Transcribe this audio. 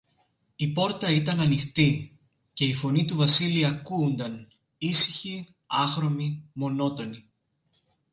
Η πόρτα ήταν ανοιχτή, και η φωνή του Βασίλη ακούουνταν, ήσυχη, άχρωμη, μονότονη.